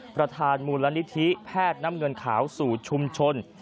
ประธานมูลนิธิแพทย์น้ำเงินขาวสู่ชุมชน